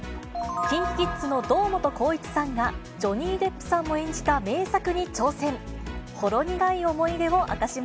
ＫｉｎＫｉＫｉｄｓの堂本光一さんが、ジョニー・デップさんも演じた名作に挑戦。